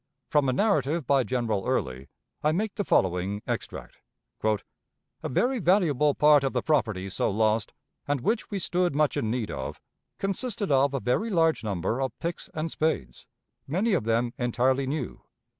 From a narrative by General Early I make the following extract: "A very valuable part of the property so lost, and which we stood much in need of, consisted of a very large number of picks and spades, many of them entirely new.